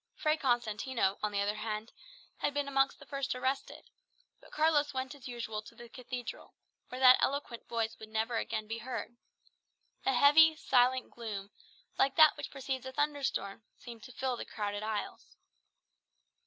Fray Constantino, on the other hand, had been amongst the first arrested; but Carlos went as usual to the Cathedral, where that eloquent voice would never again be heard. A heavy silent gloom, like that which precedes a thunderstorm, seemed to fill the crowded aisles.